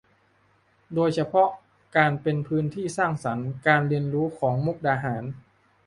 โดยเฉพาะการเป็นพื้นที่สร้างสรรค์การเรียนรู้ของมุกดาหาร